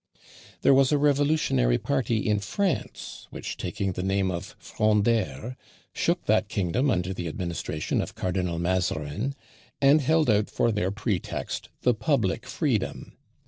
There was a revolutionary party in France, which, taking the name of Frondeurs, shook that kingdom under the administration of Cardinal Mazarin, and held out for their pretext the public freedom.